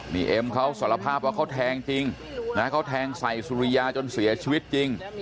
นี่เอ็มเขาสารภาพว่าเขาแทงจริงนะเขาแทงใส่สุริยาจนเสียชีวิตจริง